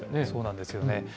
そうなんですよね。